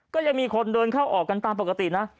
ก็ยังมีคนเดินเข้าออกกันตามปกตินะ